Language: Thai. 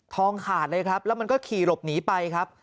ขาดเลยครับแล้วมันก็ขี่หลบหนีไปครับ